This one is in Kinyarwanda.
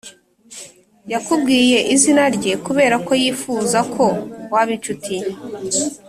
Yakubwiye izina rye kubera ko yifuza ko waba incuti ye